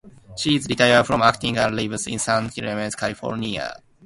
She is retired from acting and lives in San Clemente, California.